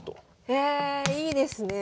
へえいいですねえ！